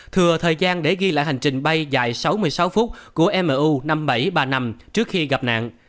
thừa thời gian để ghi lại hành trình bay dài sáu mươi sáu phút của miu năm nghìn bảy trăm ba mươi năm trước khi gặp nạn